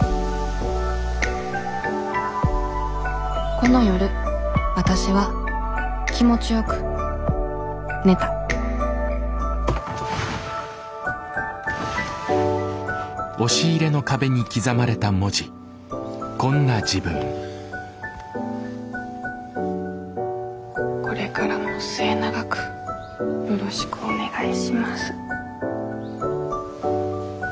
この夜わたしは気持ちよく寝たこれからも末永くよろしくお願いします。